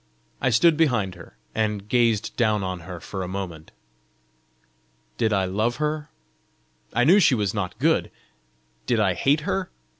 I stood behind her, and gazed down on her for a moment. Did I love her? I knew she was not good! Did I hate her?